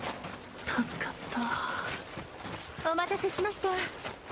助かったお待たせしました